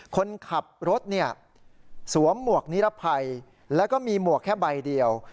คนขับรถเนี่ยสวมหมวกนิรภัยแล้วก็มีหมวกแค่ใบเดียว